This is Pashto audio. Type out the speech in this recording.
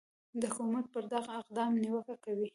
د حکومت پر دغه اقدام نیوکه کوي